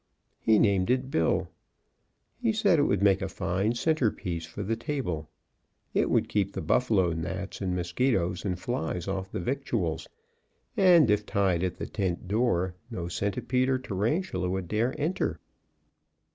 He named it Bill. He said it would make a fine center piece for the table; it would keep the Buffalo gnats and mosquitos and flies off the victuals, and if tied at the tent door no centipede or tarantula would dare enter.